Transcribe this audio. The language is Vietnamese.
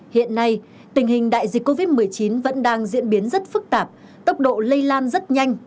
hiện nay tình hình đại dịch covid một mươi chín vẫn đang diễn biến rất phức tạp tốc độ lây lan rất nhanh